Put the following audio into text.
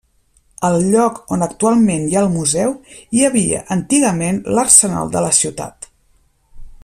Al lloc on actualment hi ha el museu hi havia antigament l'arsenal de la ciutat.